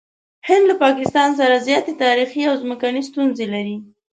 هند له پاکستان سره زیاتې تاریخي او ځمکني ستونزې لري.